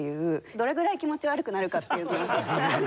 どれぐらい気持ち悪くなるかって。